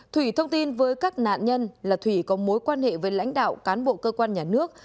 thủy thông tin với các nạn nhân là thủy có mối quan hệ với lãnh đạo cán bộ cơ quan nhà nước